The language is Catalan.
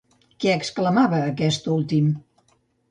Què exclamava aquest últim?